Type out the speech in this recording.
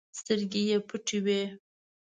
سترګې یې پټې وي.